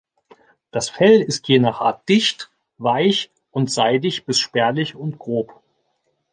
Das Fell ist je nach Art dicht, weich und seidig bis spärlich und grob.